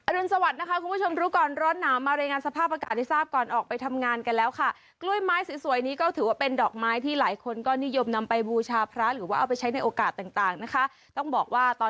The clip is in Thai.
อรุณสวัสดิ์นะคะคุณผู้ชมรู้ก่อนร้อนหนาวมารายงานสภาพอากาศที่ทราบก่อนออกไปทำงานกันแล้วค่ะ